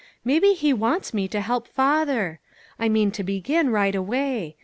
Maybe He wants me to help father. I mean to begin right away.